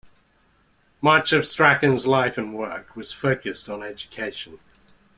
Much of Strachan's life and work was focused on education.